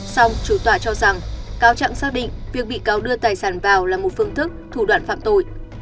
xong chủ tọa cho rằng cáo trạng xác định việc bị cáo đưa tài sản vào là một phương thức thủ đoạn phạm tội